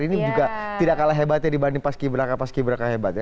ini juga tidak kalah hebatnya dibanding paski beraka paski beraka hebat ya